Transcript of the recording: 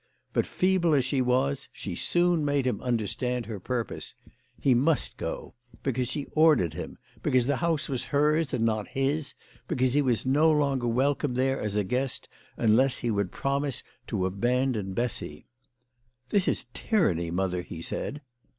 But, feeble as she was, she soon made him understand her purpose. He must go, because she ordered him, because the house was hers and not his, because he was no longer welcome there as a guest unless he would promise to abandon Bessy. " This is tyranny, mother," he said.